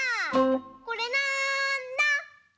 これなんだ？